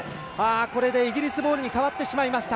これでイギリスボールに変わってしまいました。